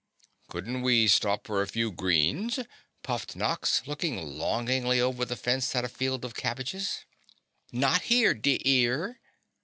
"Couldn't we stop for a few greens?" puffed Nox, looking longingly over the fence at a field of cabbages. "Not here, dear ear!"